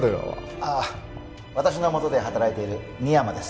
ああ私の下で働いている深山です